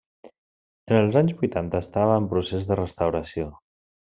En els anys vuitanta estava en procés de restauració.